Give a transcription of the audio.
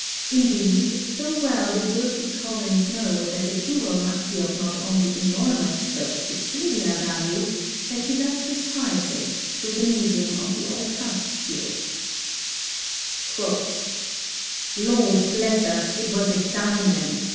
Indeed, so well did Wilkie Collins know that the jewel must be of not only enormous but peculiar value, that he thus describes it, through the medium of the old House Steward: MURDER IN GENERAL 229 "Lord bless us! It was a Diamond!